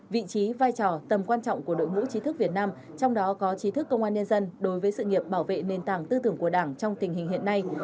vị trí vai trò tầm quan trọng của đội ngũ trí thức việt nam trong đó có trí thức công an nhân dân đối với sự nghiệp bảo vệ nền tảng tư tưởng của đảng trong tình hình hiện nay